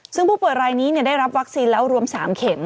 ซึ่งผู้ป่วยรายนี้ได้รับวัคซีนแล้วรวม๓เข็ม